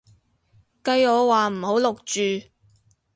計我話唔好錄住